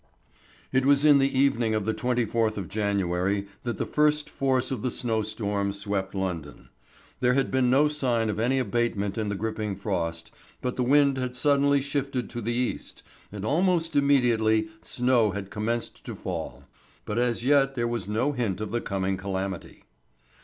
It was in the evening of the 24th of January that the first force of the snowstorm swept London. There had been no sign of any abatement in the gripping frost, but the wind had suddenly shifted to the east, and almost immediately snow had commenced to fall. But as yet there was no hint of the coming calamity.